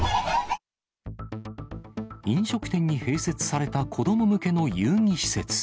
飲食店に併設された子ども向けの遊戯施設。